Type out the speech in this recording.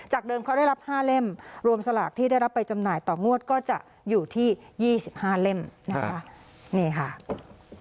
เดิมเขาได้รับ๕เล่มรวมสลากที่ได้รับไปจำหน่ายต่องวดก็จะอยู่ที่๒๕เล่มนะคะนี่ค่ะ